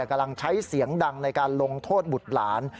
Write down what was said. กำลังใช้เสียงดังในการลงโทษบุตรหลาน